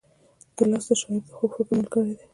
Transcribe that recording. ګیلاس د شاعر د خوږ فکر ملګری دی.